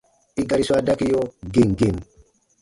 I gari swa dakiyo gem gem.